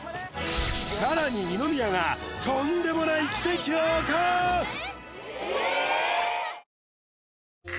さらに二宮がとんでもない奇跡を起こーす！